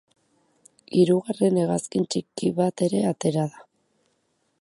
Hirugarren hegazkin-txiki bat ere atera da.